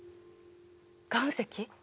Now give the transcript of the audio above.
岩石？